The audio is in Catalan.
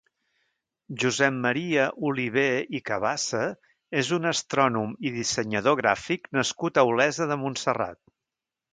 Josep Maria Oliver i Cabasa és un astrònom i dissenyador gràfic nascut a Olesa de Montserrat.